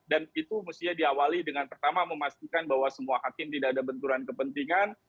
dan itu mestinya diawali dengan pertama memastikan bahwa semua hakim tidak ada benturan kepentingan